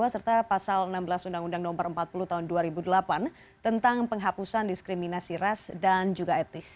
serta pasal enam belas undang undang no empat puluh tahun dua ribu delapan tentang penghapusan diskriminasi ras dan juga etnis